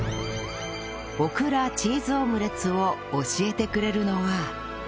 オクラチーズオムレツを教えてくれるのは